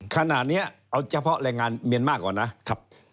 ขณะนี้เอาเฉพาะแรงงานเมียนมาร์ก่อนนะครับ